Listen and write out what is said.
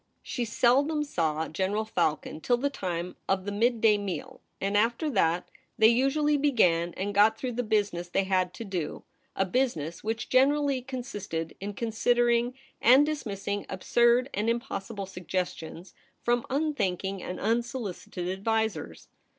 She seldom saw General Falcon till the time of the midday meal, and after that they usually began and got through the business they had to do — a business which generally consisted in con i6o THE REBEL ROSE. sideringand dismissing absurd and impossible suggestions from unthinking and unsolicited advisers.